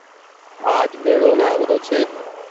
آج ميڙو لآگ رو ڇي۔